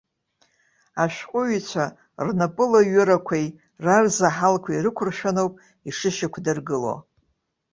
Ашәҟәыҩҩцәа рнапылаҩырақәеи рарзаҳалқәеи ирықәыршәаноуп ишышьақәдыргыло.